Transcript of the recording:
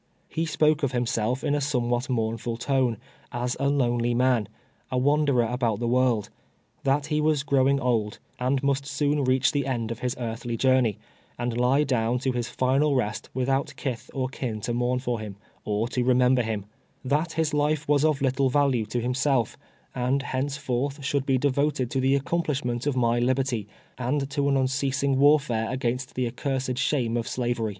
lie spoke of himself in a somewhat mournful tone, as a lonely man, a wanderer about the world — that he was growing old, and must soon reach the end of his earthly journey, and lie down to his final rest with out kith or kin to mourn for him, or to remember him — that his life was of little value to himself, and lienceforth should be devoted to the accomplishment of my liberty, and to an unceasing warfare against the accursed shame of Slavery.